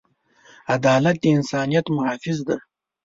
عدالت د انسانیت محافظ دی.